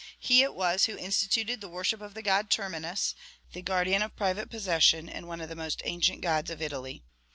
He it was who instituted the worship of the god Terminus, the guardian of private possession, and one of the most ancient gods of Italy.